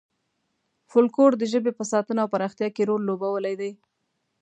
فولکلور د ژبې په ساتنه او پراختیا کې رول لوبولی دی.